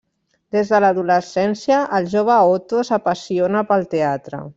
Des de l'adolescència, el jove Otto s'apassiona pel teatre.